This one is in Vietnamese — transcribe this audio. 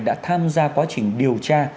đã tham gia quá trình điều tra